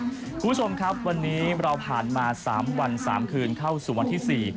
คุณผู้ชมครับวันนี้เราผ่านมา๓วัน๓คืนเข้าสู่วันที่๔